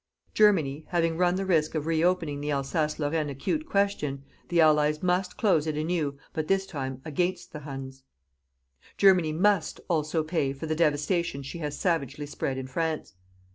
Germany having run the risk of reopening the Alsace Lorraine acute question, the Allies MUST close it anew but this time against the Huns. Germany MUST also pay for the devastation she has savagely spread in France.